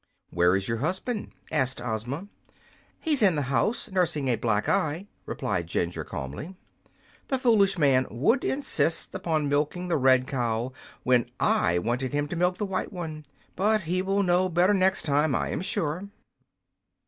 "Where is your husband?" asked Ozma. "He is in the house, nursing a black eye," replied Jinjur, calmly. "The foolish man would insist upon milking the red cow when I wanted him to milk the white one; but he will know better next time, I am sure."